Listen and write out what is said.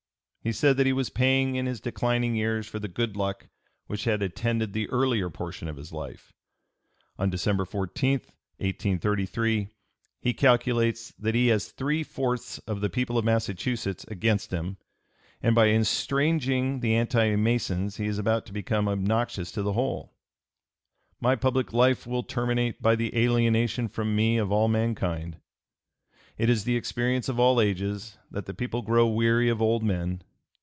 He said that he was paying in his declining years for the good luck which had attended the earlier portion of his life. On December 14, 1833, he calculates that he has three fourths of the people of Massachusetts against him, and by estranging the anti Masons he is about to become obnoxious to the whole. "My public life will terminate by the alienation from me of all mankind.... It is the experience of all ages that the people grow weary of old men.